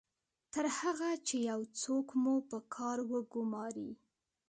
تر هغه چې یو څوک مو په کار وګماري